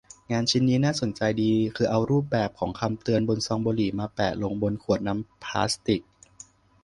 งานชิ้นนี้น่าสนใจดี คือเอารูปแบบของคำเตือนบนซองบุหรี่มาแปะลงบนขวดน้ำพลาสติก